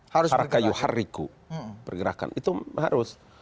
harakayuhariku pergerakan itu harus